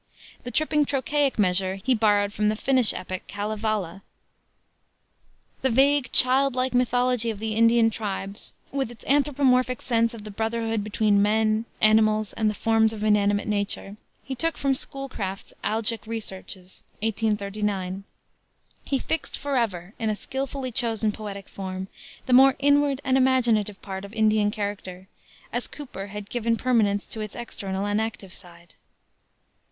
The tripping trochaic measure he borrowed from the Finnish epic Kalevala. The vague, childlike mythology of the Indian tribes, with its anthropomorphic sense of the brotherhood between men, animals, and the forms of inanimate nature, he took from Schoolcraft's Algic Researches, 1839. He fixed forever, in a skillfully chosen poetic form, the more inward and imaginative part of Indian character, as Cooper had given permanence to its external and active side.